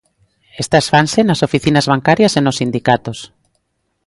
Estas fanse nas oficinas bancarias e nos sindicatos.